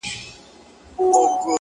علم د جهالت تر ټولو لوی دښمن دی،